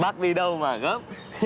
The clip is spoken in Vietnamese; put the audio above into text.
bác đi đâu mà góp